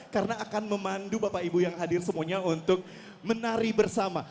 karena akan memandu bapak ibu yang hadir semuanya untuk menari bersama